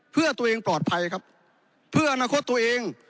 เพื่อตัวเองปลอดภัยครับเพื่ออนาคตตัวเอง